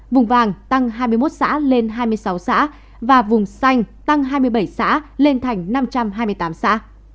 vùng vàng tăng hai mươi một xã lên hai mươi sáu xã và vùng xanh tăng hai mươi bảy xã lên thành năm trăm hai mươi tám xã